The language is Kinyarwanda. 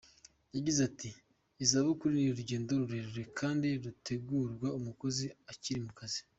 Yagize ati”Izabukuru ni urugendo rurerure kandi rutegurwa umukozi akiri mu kazi.